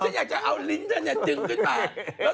ฉันอยากจะเอาลิ้นเธอดึงขึ้นมา